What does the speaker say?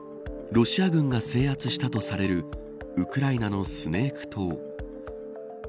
ロシア軍が制圧したとされるウクライナのスネーク島。